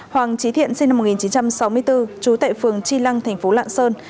hoàng trí thiện sinh năm một nghìn chín trăm sáu mươi bốn trú tại phường tri lăng thành phố lạng sơn